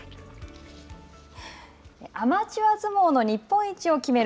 アマチュア相撲の日本一を決める